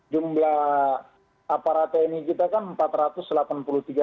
jumlah aparat tni kita kan empat ratus delapan puluh tiga orang